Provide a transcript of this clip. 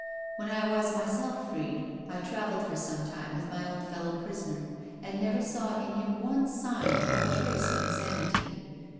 When I was myself freed, I travelled for some time with my old fellow prisoner, and never saw in him one sign or trace of insanity.